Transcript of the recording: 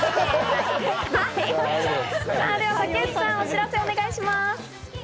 竹内さん、お知らせをお願いします。